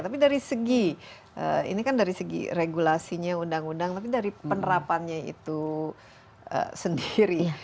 tapi dari segi ini kan dari segi regulasinya undang undang tapi dari penerapannya itu sendiri